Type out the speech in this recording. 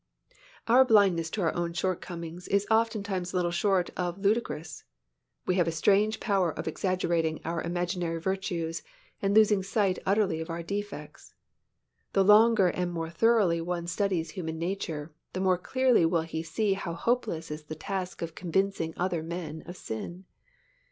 Our blindness to our own shortcomings is oftentimes little short of ludicrous. We have a strange power of exaggerating our imaginary virtues and losing sight utterly of our defects. The longer and more thoroughly one studies human nature, the more clearly will he see how hopeless is the task of convincing other men of sin.